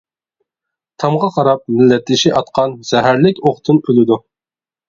تامغا قاراپ، مىللەتدىشى ئاتقان، زەھەرلىك ئوقتىن ئۆلىدۇ.